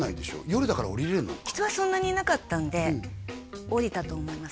夜だから降りれるのか人はそんなにいなかったんで降りたと思います